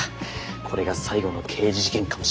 これが最後の刑事事件かもしれないし。